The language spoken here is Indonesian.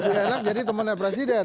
lebih enak jadi temannya presiden